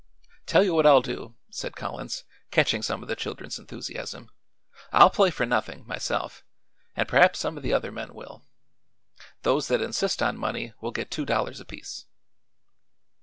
"Tell you what I'll do," said Collins, catching some of the children's enthusiasm, "I'll play for nothing, myself, and perhaps some of the other men will. Those that insist on money will get two dollars apiece."